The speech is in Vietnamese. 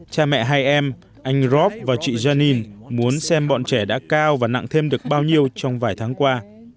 cha mẹ hai em anh group và chị jennin muốn xem bọn trẻ đã cao và nặng thêm được bao nhiêu trong vài tháng qua